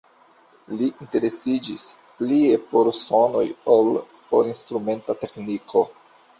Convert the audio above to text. Li interesiĝis plie por sonoj ol por instrumenta tekniko.